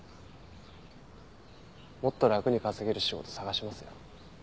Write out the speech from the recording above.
もっと楽に稼げる仕事探しますよ。